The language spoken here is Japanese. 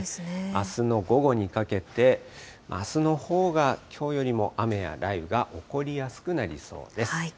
あすの午後にかけて、あすのほうがきょうよりも雨や雷雨が起こりやすくなりそうです。